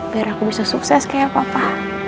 biar aku bisa sukses kayak papa